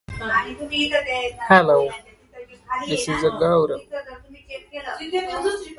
Her favorite movie is "The Empire Strikes Back".